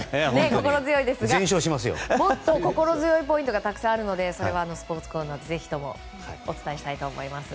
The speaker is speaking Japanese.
心強いですがもっと心強いポイントがいっぱいありますのでスポーツコーナーでぜひともお伝えしたいと思います。